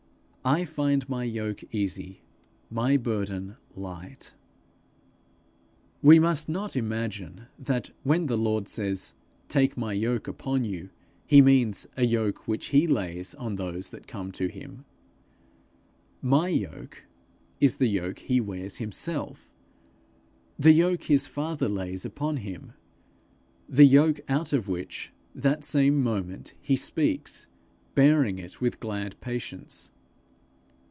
I find my yoke easy, my burden light.' We must not imagine that, when the Lord says, 'Take my yoke upon you,' he means a yoke which he lays on those that come to him; 'my yoke' is the yoke he wears himself, the yoke his father lays upon him, the yoke out of which, that same moment, he speaks, bearing it with glad patience.